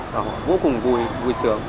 và họ vô cùng vui vui sướng